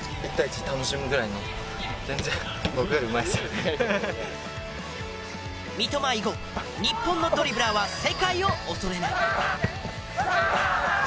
そう三笘以後日本のドリブラーは世界を恐れない！